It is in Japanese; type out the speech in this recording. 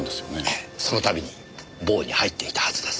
ええそのたびに房に入っていたはずです。